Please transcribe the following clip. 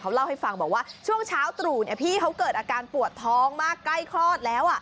เล่าให้ฟังบอกว่าช่วงเช้าตรู่พี่เขาเกิดอาการปวดท้องมากใกล้คลอดแล้ว